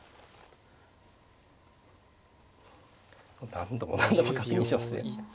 何度も何度も確認してますね。